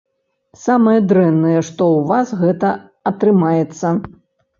Самае дрэннае, што ў вас гэта атрымаецца.